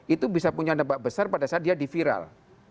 itu bisa punya nebak besar pada saat dia diviral